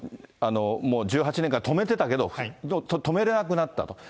その１８年間止めてたけど、もう止めれなくなったと。